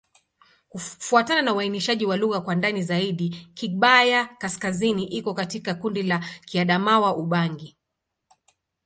Kufuatana na uainishaji wa lugha kwa ndani zaidi, Kigbaya-Kaskazini iko katika kundi la Kiadamawa-Ubangi.